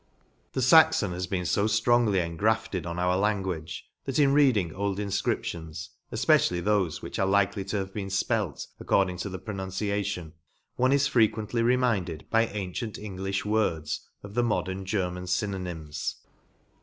The Saxon has been fo ftrongly engrafted on our language, that, in reading old in * fcriptions, efpecially thofe, which are likely to have been fpelt, according to the pronun ciation, one is frequently reminded by an tient Englifh words of the modern German fynonyms.